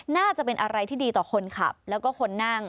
น่าจะเป็นอะไรที่ดีต่อคนขับแล้วก็คนนั่ง